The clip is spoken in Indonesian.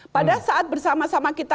pada saat bersama sama kita